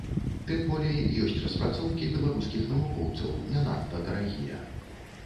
Тым болей, ёсць распрацоўкі беларускіх навукоўцаў, не надта дарагія.